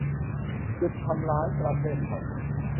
หยุด ทำร้ายประเทศไทย